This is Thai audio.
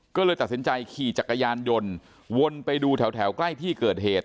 ก็เลยตัดสินใจขี่จักรยานยนต์วนไปดูแถวใกล้ที่เกิดเหตุ